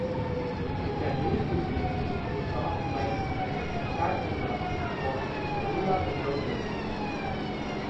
You can use this link to start clients like ChatZilla on Mozilla web browsers.